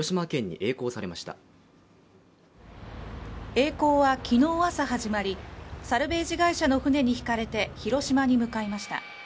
えい航は昨日朝始まり、サルベージ会社の船にひかれて広島に向かいました。